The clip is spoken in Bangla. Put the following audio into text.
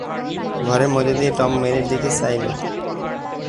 ঘরের মধ্যে দিয়ে টম মেরির দিকে চাইল।